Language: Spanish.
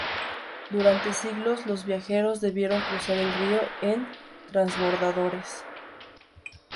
Durante siglos, los viajeros debieron cruzar el río en transbordadores.